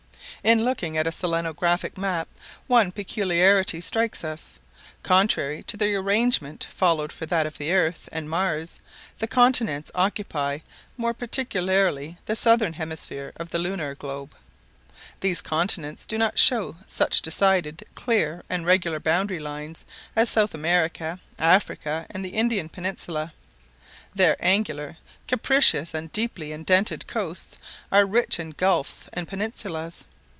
In looking at a selenographic map, one peculiarity strikes us. Contrary to the arrangement followed for that of the Earth and Mars, the continents occupy more particularly the southern hemisphere of the lunar globe. These continents do not show such decided, clear, and regular boundary lines as South America, Africa, and the Indian peninsula. Their angular, capricious, and deeply indented coasts are rich in gulfs and peninsulas.